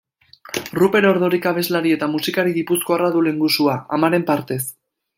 Ruper Ordorika abeslari eta musikari gipuzkoarra du lehengusua, amaren partez.